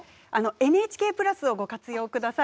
ＮＨＫプラスをご活用ください。